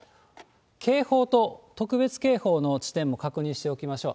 そして、警報と特別警報の地点も確認しておきましょう。